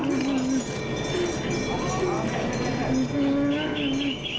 ไปด้วย